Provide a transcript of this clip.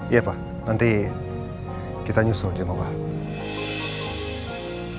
iya pak nanti kita nyusul jenguk al